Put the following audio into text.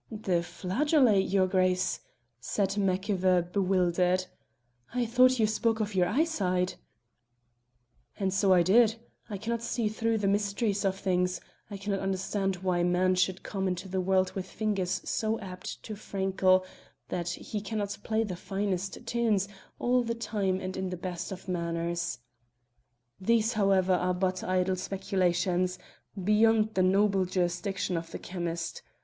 "The flageolet, your Grace," said MacIver bewildered. "I thought you spoke of your eyesight." "And so I did. I cannot see through the mysteries of things; I cannot understand why man should come into the world with fingers so apt to fankle that he cannot play the finest tunes all the time and in the best of manners. These, however, are but idle speculations, beyond the noble jurisdiction of the chymist.